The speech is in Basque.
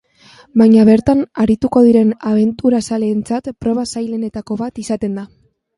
Baina bertan arituko diren abenturazaleentzat proba zailenetako bat izaten da.